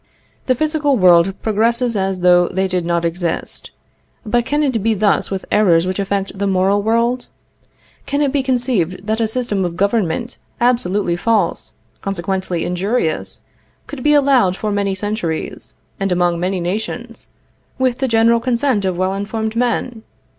The physical world progresses as though they did not exist. But can it be thus with errors which affect the moral world? Can it be conceived that a system of government absolutely false, consequently injurious, could be followed for many centuries, and among many nations, with the general consent of well informed men?